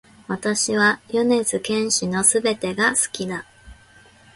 私は米津玄師の全てが好きだ